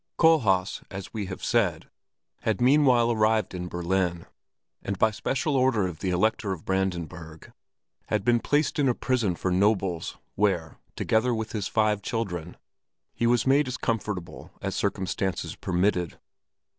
Kohlhaas, as we have said, had meanwhile arrived in Berlin, and by special order of the Elector of Brandenburg had been placed in a prison for nobles, where, together with his five children, he was made as comfortable as circumstances permitted.